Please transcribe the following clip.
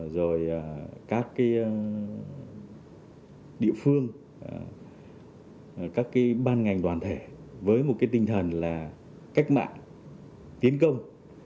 rồi các địa phương các ban ngành đoàn thể với một tinh thần là cách mạng tiến công